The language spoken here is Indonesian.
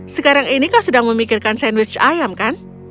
sekarang ini kan sedang memikirkan sandwich ayam kan